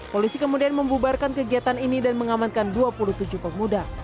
polisi kemudian membubarkan kegiatan ini dan mengamankan dua puluh tujuh pemuda